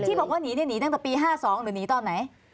ที่บอกว่าหนีหนีตั้งแต่ปี๕๒หรือหนีตอนไหน